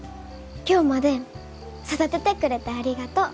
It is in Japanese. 今日まで育ててくれてありがとう。